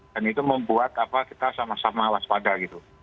dan itu membuat kita sama sama waspada gitu